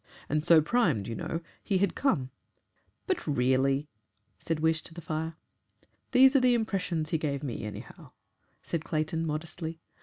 And so primed, you know, he had come." "But really!" said Wish to the fire. "These are the impressions he gave me, anyhow," said Clayton, modestly.